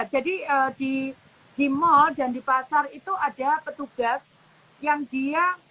jadi di mal dan di pasar itu ada petugas yang dia ditunjukkan